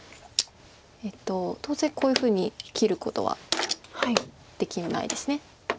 当然こういうふうに切ることはできないです。